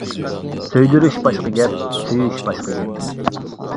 سۆيدۈرۈش باشقا گەپ، سۆيۈش باشقا گەپ.